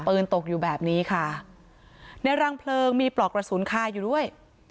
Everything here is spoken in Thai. ตกอยู่แบบนี้ค่ะในรังเพลิงมีปลอกกระสุนคาอยู่ด้วย